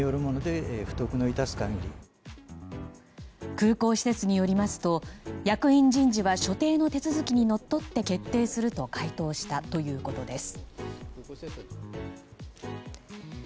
空港施設によりますと役員人事は所定の手続きにのっとって決定すると回答したということです。